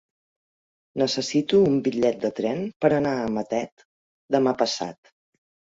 Necessito un bitllet de tren per anar a Matet demà passat.